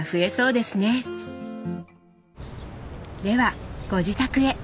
ではご自宅へ。